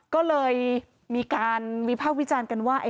ก็เลยมีการวิพากษ์วิจารณ์กันว่า